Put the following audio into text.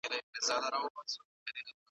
محصل د پروګرامونو جوړولو تمرين کوي.